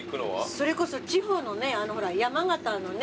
それこそ地方のほら山形のね。